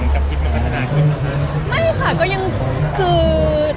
กับพิษเป็นปัญหาคุณหรือเปล่า